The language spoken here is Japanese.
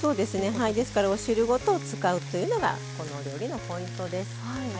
ですからお汁ごと使うというのがこのお料理のポイントです。